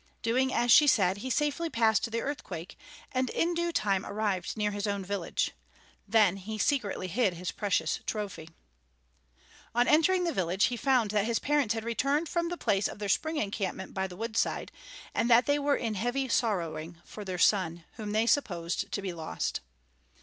Doing as she said he safely passed the earthquake, and in due time arrived near his own village. Then he secretly hid his precious trophy. On entering the village, he found that his parents had returned from the place of their spring encampment by the wood side, and that they were in heavy sorrowing for their son, whom they supposed to be lost.